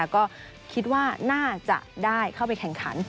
ก็คิดว่าน่าจะได้เข้าไปแข่งขัน